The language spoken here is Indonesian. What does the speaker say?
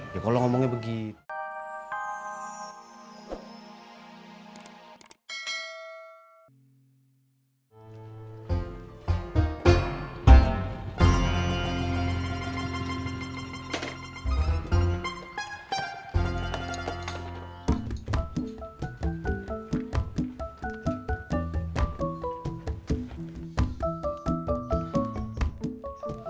ya kalau ngomongnya begitu